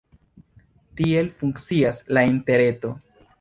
Tiel funkcias la interreto.